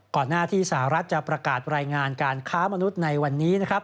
หน้าที่สหรัฐจะประกาศรายงานการค้ามนุษย์ในวันนี้นะครับ